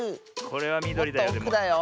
これはみどりだよ。